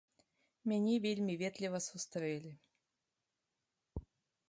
Мяне вельмі ветліва сустрэлі.